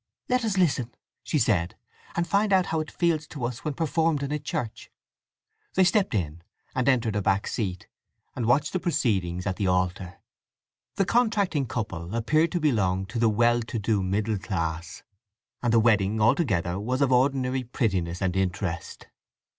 "Let us listen," she said, "and find how it feels to us when performed in a church." They stepped in, and entered a back seat, and watched the proceedings at the altar. The contracting couple appeared to belong to the well to do middle class, and the wedding altogether was of ordinary prettiness and interest.